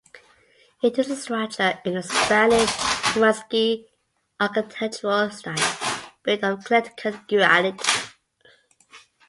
It is a structure in the Spanish Romanesque architectural style, built of Connecticut granite.